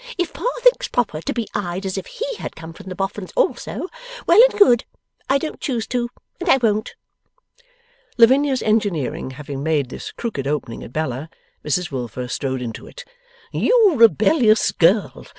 If Pa thinks proper to be eyed as if HE had come from the Boffins also, well and good. I don't choose to. And I won't!' Lavinia's engineering having made this crooked opening at Bella, Mrs Wilfer strode into it. 'You rebellious spirit!